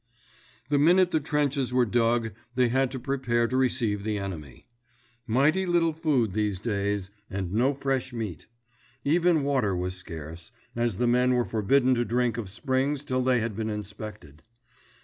The minute the trenches were dug they had to prepare to receive the enemy. Mighty little food these days, and no fresh meat. Even water was scarce, as the men were forbidden to drink of springs till they had been inspected.